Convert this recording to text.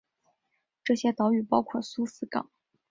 这些岛屿包括苏斯港。